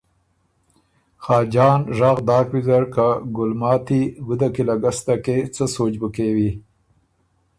خاجان ژغ داک ویزر که ”ګلماتی ګُده کی له ګستکې څۀ سوچ بُو کېوی؟“